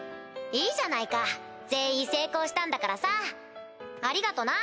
いいじゃないか全員成功したんだからさ。ありがとな！